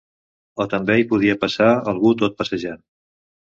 O també hi podia passar algú tot passejant.